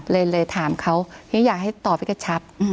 เลยเลยถามเขาอยากให้ตอบไปกระชับ